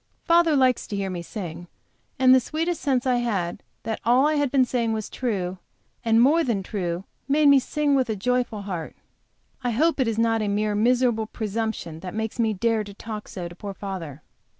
Father likes to hear me sing, and the sweet sense I had that all I had been saying was true and more than true, made me sing with joyful heart. I hope it is not a mere miserable presumption that makes me dare to talk so to poor father.